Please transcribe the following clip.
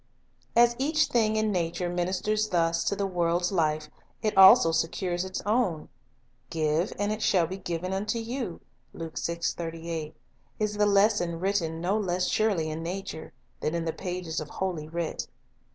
As each thing in nature ministers thus to the world's life, it also secures its own. "Give, and it shall be given unto you," 3 is the lesson written no less surely in nature than in the pages of Holy Writ.